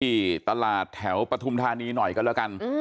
ที่ตลาดแถวปฐุมธานีหน่อยกันแล้วกัน